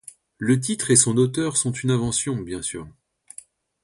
Le titre et son auteur sont une invention, bien sûr.